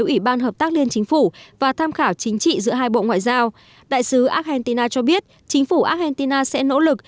ủy ban hợp tác liên chính phủ và tham khảo chính trị giữa hai bộ ngoại giao đại sứ argentina cho biết chính phủ argentina sẽ nỗ lực